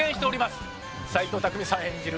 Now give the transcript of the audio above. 斎藤工さん演じる